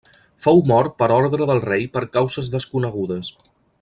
Fou mort per ordre del rei per causes desconegudes.